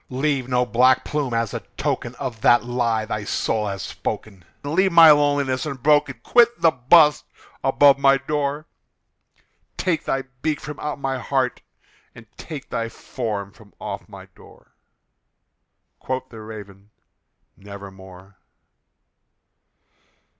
Leave no black plume as a token of that lie thy soul hath spoken! Leave my loneliness unbroken! quit the bust above my door! Take thy beak from out my heart, and take thy form from off my door!" Quoth the Raven, "Nevermore."